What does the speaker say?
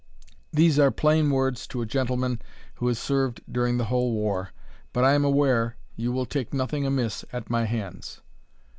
These are plain words to a gentleman who has served during the whole war; but, I am aware, you will take nothing amiss at my hands.